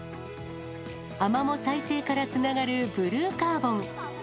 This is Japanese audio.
アマモ再生からつながるブルーカーボン。